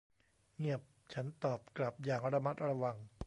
เงียบ ฉันตอบกลับอย่างระมัดระวัง